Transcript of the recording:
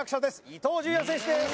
伊東純也選手です